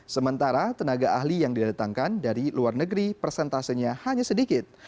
sementara tenaga ahli yang didatangkan dari luar negeri persentasenya hanya sedikit